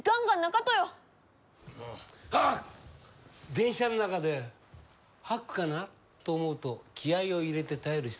電車の中で吐くかな？と思うと気合いを入れて耐える人。